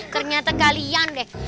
ternyata kalian deh